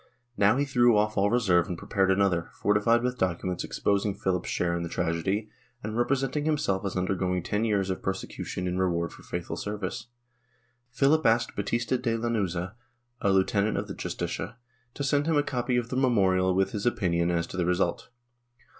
Now he threw off all reserve and prepared auother, fortified with documents expos ing Philip's share in the tragedy, and representing himself as undergoing ten years of persecution in reward for faithful service. Philip asked Batista de Lanuza, a lieutenant of the Justicia, to send him a copy of the memorial with his opinion as to the result.